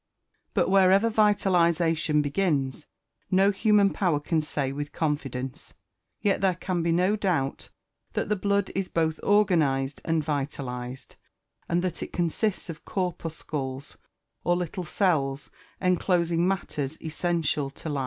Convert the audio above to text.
But wherever vitalisation begins, no human power can say with confidence. Yet there can be no doubt that the blood is both organised and vitalised, and that it consists of corpuscles, or little cells, enclosing matters essential to life.